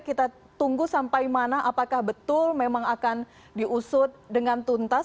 kita tunggu sampai mana apakah betul memang akan diusut dengan tuntas